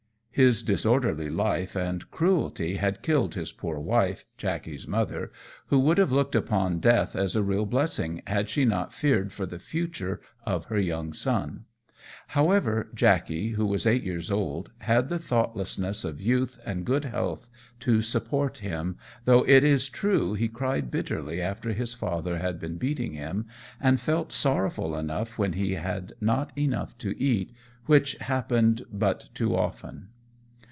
His disorderly life and cruelty had killed his poor wife, Jackey's mother, who would have looked upon death as a real blessing, had she not feared for the future of her young son; however, Jackey, who was eight years old, had the thoughtlessness of youth and good health to support him, though, it is true, he cried bitterly after his father had been beating him, and felt sorrowful enough when he had not enough to eat, which happened but too often.